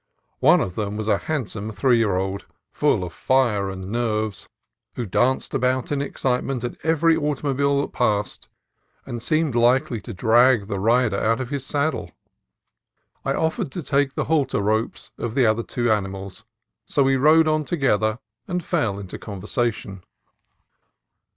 One of them was a hand some three year old, full of fire and nerves, who danced about in excitement at every automobile that passed, and seemed likely to drag the rider out of his saddle. I offered to take the halter ropes ARBOREAL STRANGERS 89 of the other two animals, so we rode on together and fell into conversation.